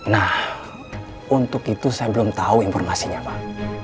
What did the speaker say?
nah untuk itu saya belum tahu informasinya pak